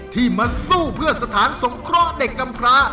ที่มาสู้เพื่อสถานสงเคราะห์เด็กกำพระ